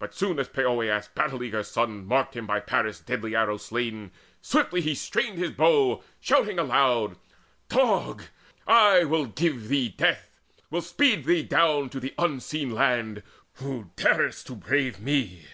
But soon as Poeas' battle eager son Marked him by Paris' deadly arrow slain, Swiftly he strained his bow, shouting aloud: "Dog! I will give thee death, will speed thee down To the Unseen Land, who darest to brave me!